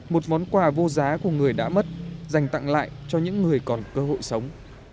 một món quà vô giá của người đã mất dành tặng lại cho những người còn cơ hội sống